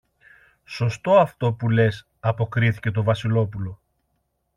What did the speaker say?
Σωστό αυτό που λες, αποκρίθηκε το Βασιλόπουλο.